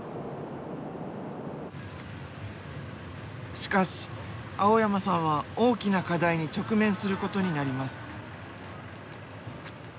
しかし青山さんは大きな課題に直面することになります。